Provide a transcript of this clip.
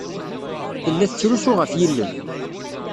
Tella tettrusu ɣef yilel.